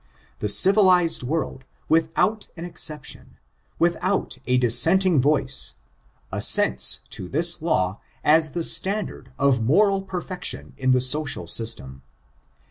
The civilized world, without an exception, Mrithout a dissenting voice, assents to this law as the standard of moral perfection in the social system.